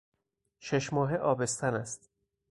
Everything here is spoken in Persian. ششماهه آبستن است.